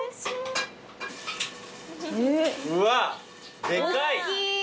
うわでかい！